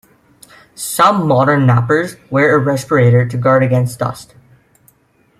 Some modern knappers wear a respirator to guard against dust.